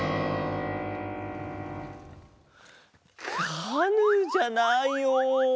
カヌーじゃないよ。